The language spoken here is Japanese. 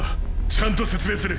ちゃんと説明する。